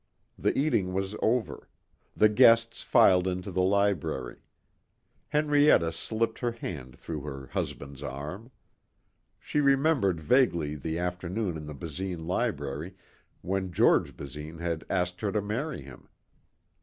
The eating was over. The guests filed into the library. Henrietta slipped her hand through her husband's arm. She remembered vaguely the afternoon in the Basine library when George Basine had asked her to marry him.